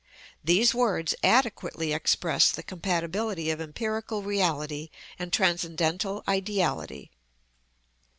These words adequately express the compatibility of empirical reality and transcendental ideality.